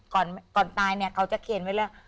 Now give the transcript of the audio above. ก่อนตายเนี่ยเขาจะเขียนไว้แล้ว